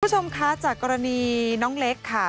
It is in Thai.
คุณผู้ชมคะจากกรณีน้องเล็กค่ะ